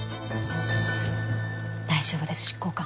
大丈夫です執行官。